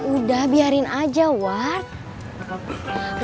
udah biarin aja ward